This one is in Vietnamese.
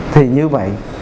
thì như vậy